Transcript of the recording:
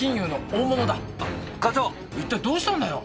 一体どうしたんだよ？